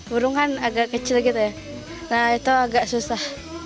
burung kan agak kecil gitu ya nah itu agak susah